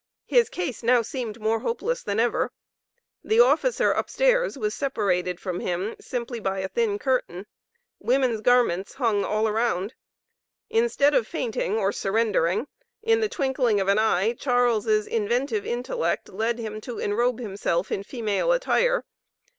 His case now seemed more hopeless than ever. The officer up stairs was separated from him simply by a thin curtain. Women's garments hung all around. Instead of fainting or surrendering, in the twinkling of an eye, Charles' inventive intellect, led him to enrobe himself in female attire.